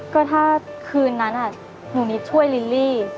ก็ถ้าคืนนั้นนุ่งนี้ช่วยลิลลี่